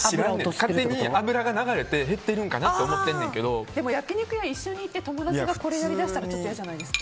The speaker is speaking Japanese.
勝手に脂が流れて減ってるんかなってでも焼き肉屋行って友達がこれやりだしたら嫌じゃないですか。